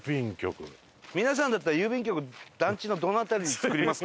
皆さんだったら郵便局団地のどの辺りに造りますか？